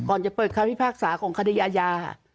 ก่อนจะเปิดคำพิพากษาของคดีอาญา